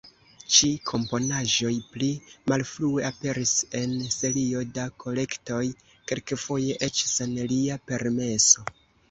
Ĉi-komponaĵoj pli malfrue aperis en serio da kolektoj, kelkfoje eĉ sen lia permeso.